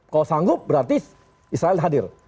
kalau sanggup berarti israel hadir